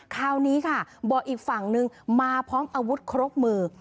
คราวนี้ค่ะบอกอีกฝั่งนึงมาพร้อมอาวุธครบมือ